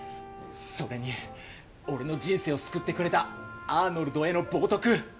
それに俺の人生を救ってくれたアーノルドへの冒涜。